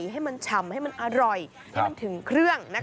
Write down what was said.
ก็ไก่ให้มันชำให้มันอร่อยให้มันถึงเครื่องนะคะ